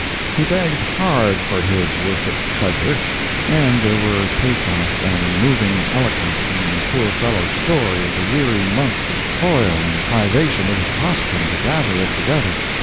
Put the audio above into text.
He begged hard for his worshipped treasure, and there were pathos and moving eloquence in the poor fellow's story of the weary months of toil and privation it had cost him to gather it together.